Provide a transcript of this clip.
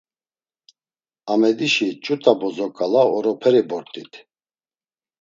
Amedişi ç̌ut̆a bozo ǩala oroperi bort̆it.